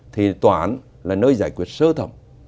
thì tòa án là nơi giải quyết sơ thầm